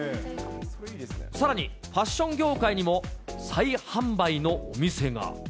さらに、ファッション業界にも再販売のお店が。